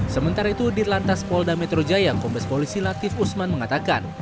sementara itu di lantas polda metro jaya kombes polisi latif usman mengatakan